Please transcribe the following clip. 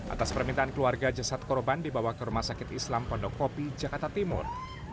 atas permintaan keluarga jasad korban dibawa ke rumah sakit islam pondok kopi jakarta timur